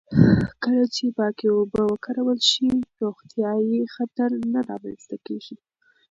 کله چې پاکې اوبه وکارول شي، روغتیايي خطر نه رامنځته کېږي.